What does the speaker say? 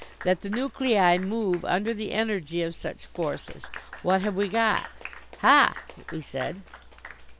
"That the nuclei move under the energy of such forces, what have we got?" "Ha!" we said.